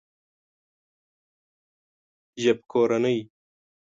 ژبکورنۍ